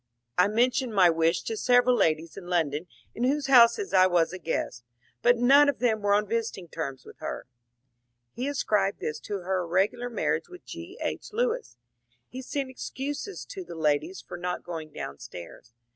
" I mentioned my wish to several ladies in London in whose houses I was a guest, but none of them were on visiting terms with her." He ascribed this to her irregular marriage with G. H. Lewes. He sent excuses to 386 MONCURE DANIEL CX)NWAY the ladies for not going downstairs.